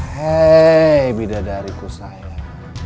hei bidadariku sayang